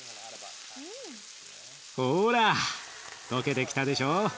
ほら溶けてきたでしょ。